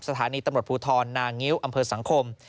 สถานีตำรวจภูทรนางิ้วอำเภอสังคม